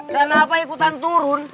kenapa ikutan turun